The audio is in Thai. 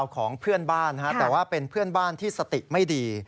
ของเพื่อนบ้านแต่ว่าเป็นเพื่อนบ้านที่สติไม่ดี